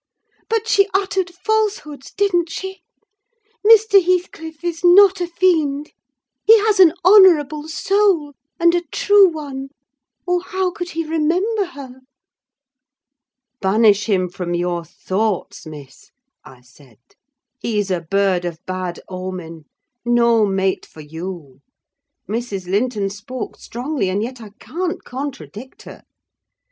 But she uttered falsehoods, didn't she? Mr. Heathcliff is not a fiend: he has an honourable soul, and a true one, or how could he remember her?" "Banish him from your thoughts, Miss," I said. "He's a bird of bad omen: no mate for you. Mrs. Linton spoke strongly, and yet I can't contradict her.